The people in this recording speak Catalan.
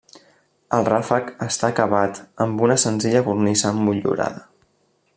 El ràfec està acabat amb una senzilla cornisa motllurada.